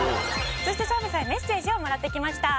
「そして澤部さんにメッセージをもらってきました」